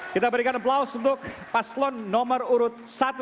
kita berikan aplaus untuk paslon nomor urut satu